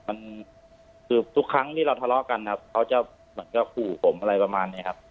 มันคือทุกครั้งที่เราทะเลาะกันครับเขาจะเหมือนกับขู่ผมอะไรประมาณนี้ครับ